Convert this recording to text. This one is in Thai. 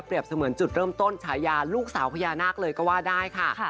เสมือนจุดเริ่มต้นฉายาลูกสาวพญานาคเลยก็ว่าได้ค่ะ